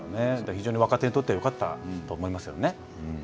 非常に若手にとってはよかったと思いますね。